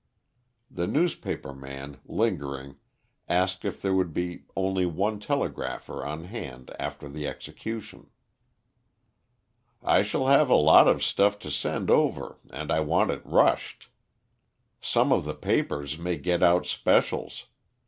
The newspaper man, lingering, asked if there would be only one telegrapher on hand after the execution. "I shall have a lot of stuff to send over and I want it rushed. Some of the papers may get out specials.